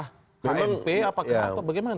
hnp apa ke hnp bagaimana